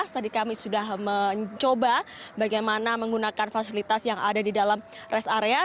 tadi kami sudah mencoba bagaimana menggunakan fasilitas yang ada di dalam rest area